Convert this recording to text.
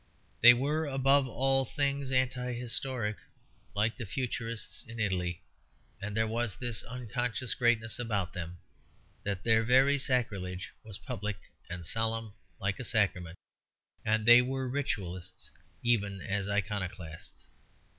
They were above all things anti historic, like the Futurists in Italy; and there was this unconscious greatness about them, that their very sacrilege was public and solemn like a sacrament; and they were ritualists even as iconoclasts.